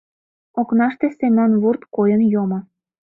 Окнаште Семон вурт койын йомо.